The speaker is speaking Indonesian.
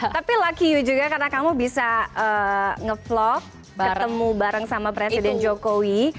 tapi lucky you juga karena kamu bisa ngevlog ketemu bareng sama presiden jokowi